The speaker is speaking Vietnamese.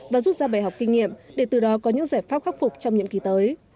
và rút ra bài học kinh nghiệm để từ đó có những giải pháp khắc phục trong nhiệm kỳ tới